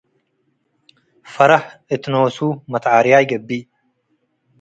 ፈረህ እት ኖሱ መትዓርያይ ገብእ።